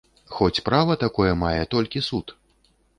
Хоць права такое мае толькі суд.